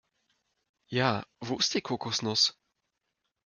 Ja, wo ist die Kokosnuss?